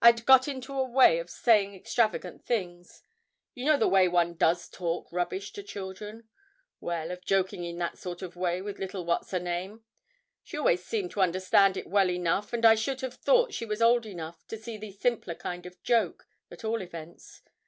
I'd got into a way of saying extravagant things; you know the way one does talk rubbish to children; well, of joking in that sort of way with little What's her name. She always seemed to understand it well enough, and I should have thought she was old enough to see the simpler kind of joke, at all events.